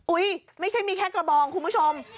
ไม่ใช่มีแค่กระบองคุณผู้ชม